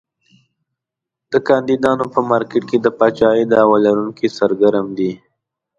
د کاندیدانو په مارکېټ کې د پاچاهۍ دعوی لرونکي سرګرم دي.